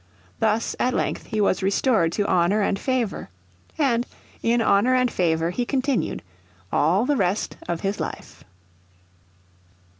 Thus at length he was restored to honour and favour. And in honour and favour he continued all the rest of his life.